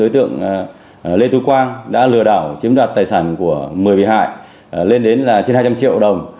trường ý vay đã lừa đảo chiếm đoạt tài sản của một mươi bị hại lên đến trên hai trăm linh triệu đồng